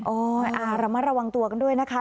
อ๋อเรามาระวังตัวกันด้วยนะคะ